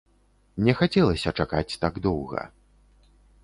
Не хацелася чакаць так доўга.